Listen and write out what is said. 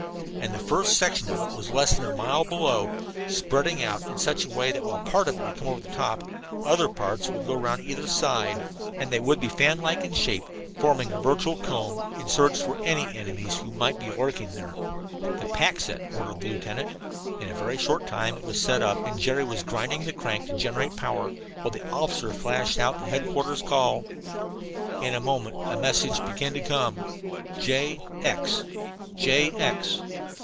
And the first section of it was less than a mile below, spreading out in such a way that while a part of it would come over the top, other parts would go around either side, and they would be fan like in shape, forming a virtual comb in the search for any enemies who might be lurking there. "The pack set!" ordered the lieutenant. In a very short time it was set up, and Jerry was grinding the crank to generate power while the officer flashed out the headquarters call. In a moment a message began to come: "J X. J X.